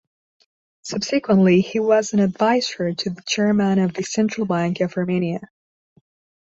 Subsequently, he was an advisor to the Chairman of the Central Bank of Armenia.